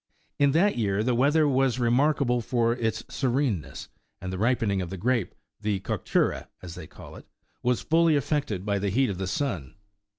In that year, the weather was remarkable for its sereneness, and the ripening of the grape, the "coctura," 44 as they call it, was fully effected by the heat of the sun.